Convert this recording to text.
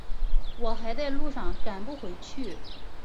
我还在路上赶不回去